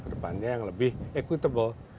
kedepannya yang lebih equitable